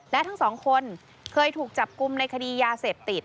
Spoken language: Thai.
และทั้งสองคนเคยถูกจับกลุ่มในคดียาเสพติด